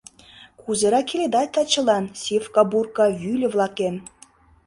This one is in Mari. — Кузерак иледа тачылан, сивка-бурка вӱльӧ-влакем?